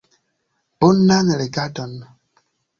Bonan legadon.